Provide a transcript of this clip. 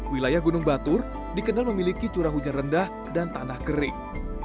wilayah gunung batur dikenal memiliki curah hujan rendah dan tanah kering